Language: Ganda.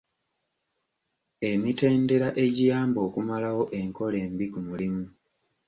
Emitendera egiyamba okumalawo enkola embi ku mulimu.